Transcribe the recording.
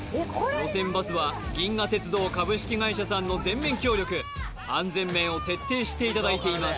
路線バスは銀河鉄道株式会社さんの全面協力安全面を徹底していただいています